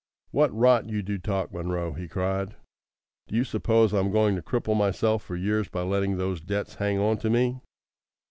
"What rot you do talk, Munro!" he cried. "Do you suppose I am going to cripple myself for years by letting those debts hang on to me?"